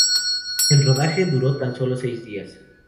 El rodaje duró tan solo seis días.